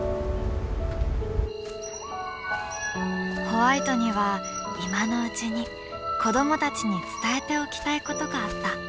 ホワイトには今のうちに子どもたちに伝えておきたいことがあった。